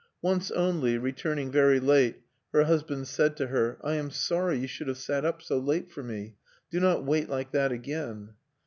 Once only, returning very late, her husband said to her: "I am sorry you should have sat up so late for me; do not wait like that again!"